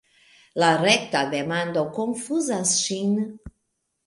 La rekta demando konfuzas ŝin.